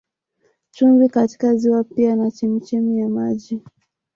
Chumvi katika ziwa pia na chemchemi ya maji